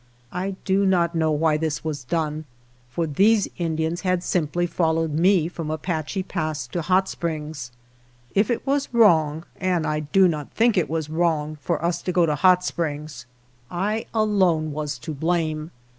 I do not know why this was done, for these Indians had simply followed me from Apache Pass to Hot Springs. If it was wrong (and I do not think it was wrong) for us to go to Hot Springs, I alone was to blame.